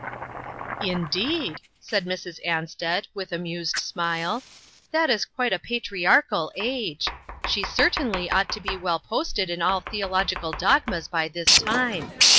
" Indeed !" said Mrs. Ansted, with amused smile, "that is quite a patriarchal age. She certainly ought to be well posted in all theological dogmas by this time.